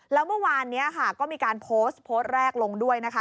แล้วเมื่อวานนี้ค่ะก็มีการโพสต์โพสต์แรกลงด้วยนะคะ